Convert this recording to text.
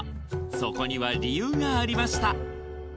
そこには理由がありました